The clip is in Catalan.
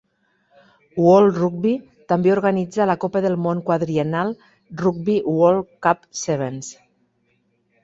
World Rugby també organitza la copa del món quadriennal Rugby World Cup Sevens.